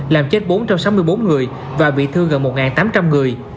làm chết bốn trăm sáu mươi bốn người và bị thương gần một tám trăm linh người